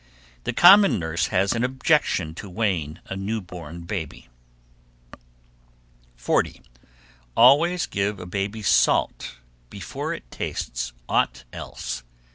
The common nurse has an objection to weighing a new born baby. 40. Always give a baby salt before it tastes aught else.